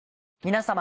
皆様。